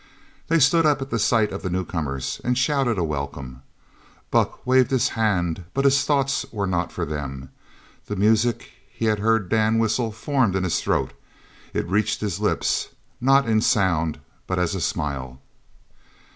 They stood up at sight of the newcomers and shouted a welcome. Buck waved his hand, but his thoughts were not for them. The music he had heard Dan whistle formed in his throat. It reached his lips not in sound but as a smile.